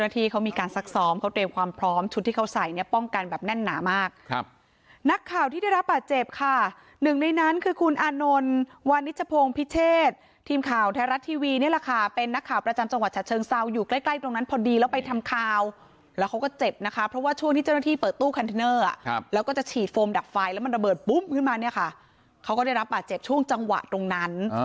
แต่ปลอดภัยแล้วนะคะนี่นะคะคุณอานนท์บอกว่าจังหวะนั้นไม่คิดจริงจริงนะ